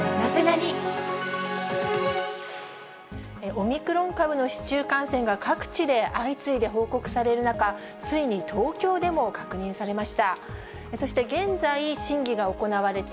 オミクロン株の市中感染が、各地で相次いで報告される中、ついに東京でも確認されました。